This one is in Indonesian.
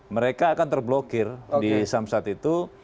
mereka akan terblokir di samsat itu